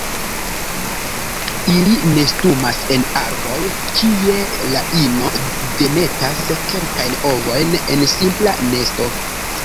Ili nestumas en arboj, kie la ino demetas kelkajn ovojn en simpla nesto.